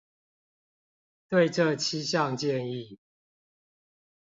對這七項建議